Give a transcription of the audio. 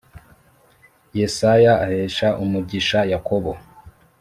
Yesaya ahesha umugisha yakobo